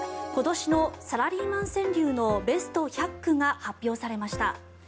今年のサラリーマン川柳のベスト１００句が発表されました。